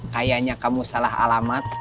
kayaknya kamu salah alamat